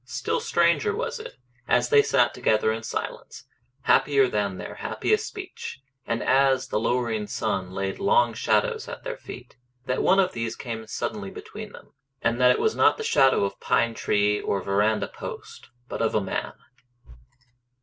Still stranger was it, as they sat together in a silence happier than their happiest speech, and as the lowering sun laid long shadows at their feet, that one of these came suddenly between them, and that it was not the shadow of pine tree or verandah post, but of a man.